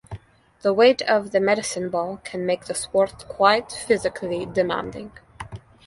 The weight of the medicine ball can make the sport quite physically demanding.